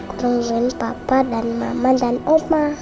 aku nungguin papa dan mama dan oma